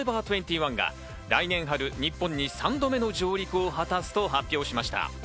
２１が来年春、日本に３度目の上陸を果たすと発表しました。